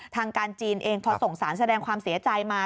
ทางการจีนเองพอส่งสารแสดงความเสียใจมา